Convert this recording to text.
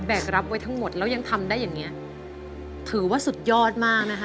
รับไว้ทั้งหมดแล้วยังทำได้อย่างเงี้ยถือว่าสุดยอดมากนะคะ